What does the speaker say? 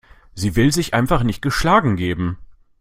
Sie will sich einfach nicht geschlagen geben.